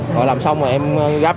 rồi làm xong rồi em gắp